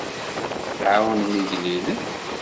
Tɛawnemt igellilen.